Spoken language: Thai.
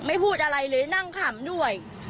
พูดอะไรเลยนั่งขำด้วย